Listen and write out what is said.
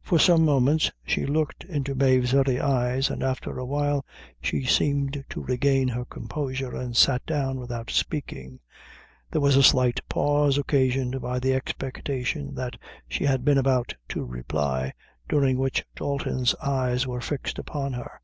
For some moments she looked into Mave's very eyes, and after a little, she seemed to regain her composure, and sat down without speaking. There was a slight pause occasioned by the expectation that she had been about to reply, during which Dalton's eyes were fixed upon her.